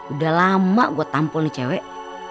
udah lama gue tampul di cewek